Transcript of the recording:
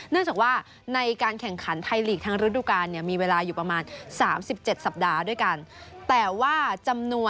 เนื่องจากว่าในการแข่งขันไทยลีกทั้งฤตุการณ์เนี่ยมีเวลาอยู่ประมาณ๓๗สัปดาห์ด้วยกัน